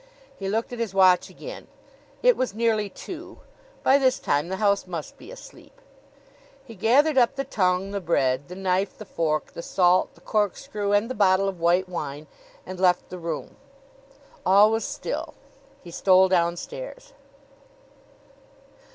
He looked at his watch again. It was nearly two. By this time the house must be asleep. He gathered up the tongue, the bread, the knife, the fork, the salt, the corkscrew and the bottle of white wine, and left the room. All was still. He stole downstairs.